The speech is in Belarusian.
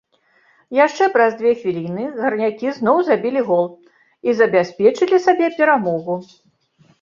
Яшчэ праз дзве хвіліны гарнякі зноў забілі гол і забяспечылі сабе перамогу.